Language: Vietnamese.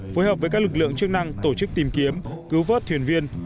phối hợp với các lực lượng chức năng tổ chức tìm kiếm cứu vớt thuyền viên